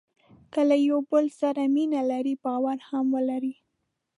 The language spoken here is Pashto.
که له یو بل سره مینه لرئ باور هم ولرئ.